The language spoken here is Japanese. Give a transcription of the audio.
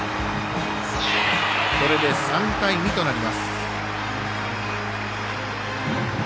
これで３対２となります。